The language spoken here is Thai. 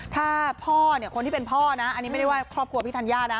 ถ้าพ่อเนี่ยคนที่เป็นพ่อนะอันนี้ไม่ได้ว่าครอบครัวพี่ธัญญานะ